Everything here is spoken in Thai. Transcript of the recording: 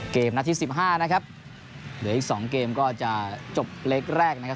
นาทีสิบห้านะครับเหลืออีก๒เกมก็จะจบเล็กแรกนะครับ